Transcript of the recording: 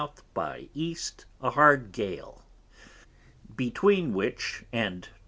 by E. a hard Gale, between which and N.W.